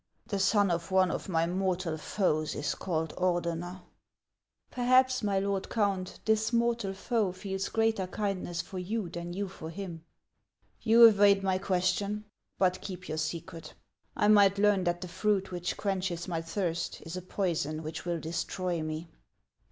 The son of one of my mortal foes is called Ordener." 4 50 HANS OF ICELAND. " Perhaps, my lord Count, this mortal foe feels greater kindness for you than you for him." " You evade my question ; but keep your secret. I might learn that the fruit which quenches my thirst is a poison which will destroy me."